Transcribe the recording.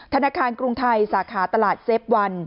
ธนาคารกรุงไทยสาขาตลาดเซฟวัน